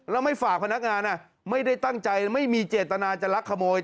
แล้วไม่ฝากพนักงานไม่ได้ตั้งใจไม่มีเจตนาจะลักขโมย